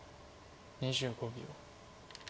２５秒。